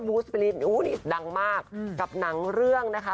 วูสปีรินดังมากกับหนังเรื่องนะคะ